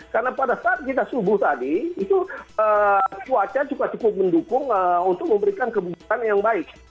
karena pada saat kita subuh tadi itu cuaca cukup mendukung untuk memberikan kembunuhan yang baik